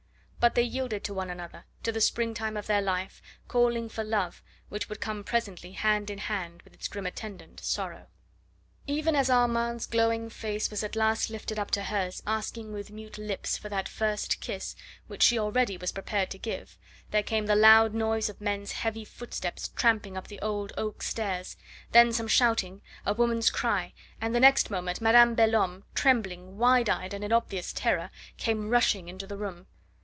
But they yielded to one another, to the springtime of their life, calling for Love, which would come presently hand in hand with his grim attendant, Sorrow. Even as Armand's glowing face was at last lifted up to hers asking with mute lips for that first kiss which she already was prepared to give, there came the loud noise of men's heavy footsteps tramping up the old oak stairs, then some shouting, a woman's cry, and the next moment Madame Belhomme, trembling, wide eyed, and in obvious terror, came rushing into the room.